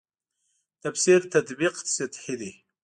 تفسیر تطبیق سطحې دي.